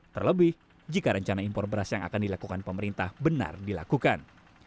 terlebih jika rencana impor beras yang akan dilakukan pemerintah benar dilakukan